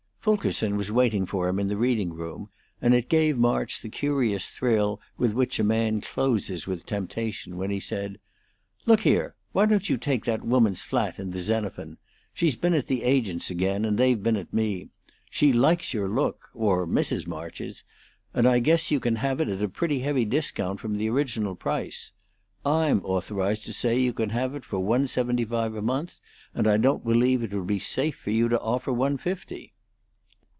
Fulkerson was waiting for him in the reading room, and it gave March the curious thrill with which a man closes with temptation when he said: "Look here! Why don't you take that woman's flat in the Xenophon? She's been at the agents again, and they've been at me. She likes your look or Mrs. March's and I guess you can have it at a pretty heavy discount from the original price. I'm authorized to say you can have it for one seventy five a month, and I don't believe it would be safe for you to offer one fifty."